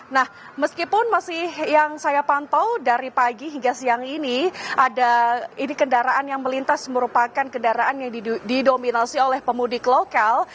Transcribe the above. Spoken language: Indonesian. nah meskipun masih yang saya pantau dari pagi hingga siang ini kendaraan yang melintas merupakan kendaraan yang didominasi oleh pemudik lokal